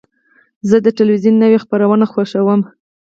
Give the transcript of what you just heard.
زه د تلویزیون نوی خپرونې خوښوم.